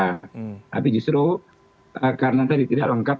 tapi justru karena tadi tidak lengkap